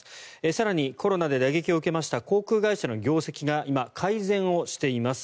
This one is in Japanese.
更にコロナで打撃を受けました航空業界の業績が今、改善しています。